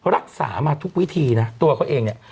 รักษามาทุกวิธีนะตัวเขาเองเนี่ย